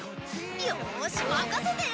よし任せて！